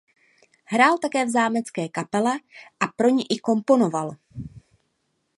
Hrál také v zámecké kapele a pro ni i komponoval.